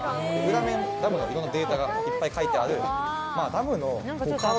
裏面ダムのいろんなデータがいっぱい書いてあるダムの。